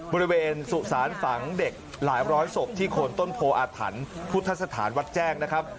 บริเวณสุสานฝังเด็กหลายร้อยศพที่โคนต้นโพออาถรรพ์พุทธสถานวัดแจ้งนะครับ